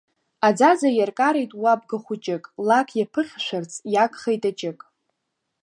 Аӡаӡа иаркареит уа бгахәыҷык, лак иаԥыхьашәарц иагхеит аҷык.